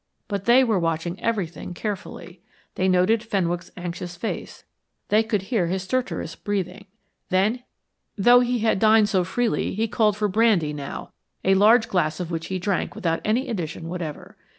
But they were watching everything carefully; they noted Fenwick's anxious face, they could hear his stertorous breathing. Though he had dined so freely he called for brandy now, a large glass of which he drank without any addition whatever.